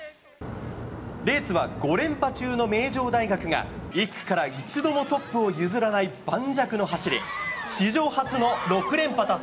レースは５連覇中の名城大学が、１区から一度もトップを譲らない盤石の走り。